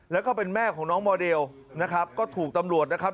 แล้วก็เป็นแม่ของน้องโมเดลนะครับก็ถูกตำรวจนะครับ